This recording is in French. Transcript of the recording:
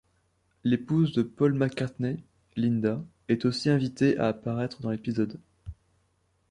L'épouse de Paul McCartney, Linda est aussi invitée à apparaître dans l'épisode.